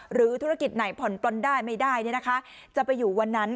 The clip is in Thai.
หรือธุรกิจไหนผ่อนปลนได้ไม่ได้จะไปอยู่วันนั้น